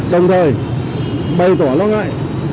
đồng thời bày tỏ lo ngại